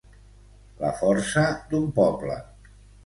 La força d'un poble.